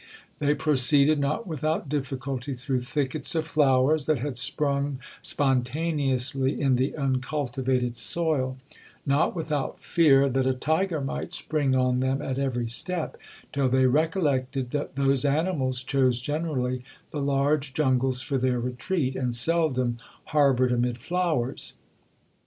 They proceeded, not without difficulty, through thickets of flowers that had sprung spontaneously in the uncultivated soil—not without fear that a tiger might spring on them at every step, till they recollected that those animals chose generally the large jungles for their retreat, and seldom harboured amid flowers.